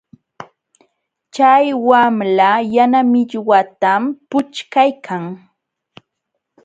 Chay wamla yana millwatam puchkaykan.